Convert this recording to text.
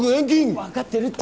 わかってるって。